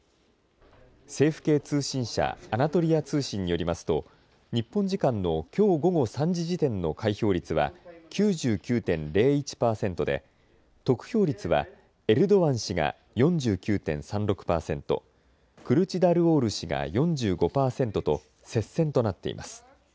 政府系通信社、アナトリア通信によりますと日本時間のきょう午後３時時点の開票率は９９．０１％で得票率はエルドアン氏が４９．３６％、クルチダルオール氏が４５％と接戦となっています。